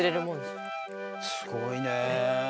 すごいね。